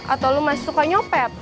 atau lo masih suka nyopet